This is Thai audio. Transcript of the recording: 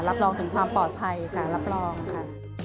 รับรองถึงความปลอดภัยค่ะรับรองค่ะ